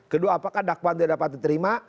kedua apakah dakwaan tidak dapat diterima